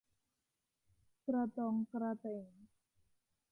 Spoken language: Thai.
กระต่องกระแต่ง